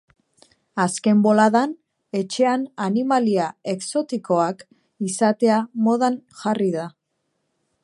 Azken boladan, etxean animalia exotikoak izatea modan jarri da.